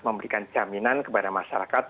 memberikan jaminan kepada masyarakat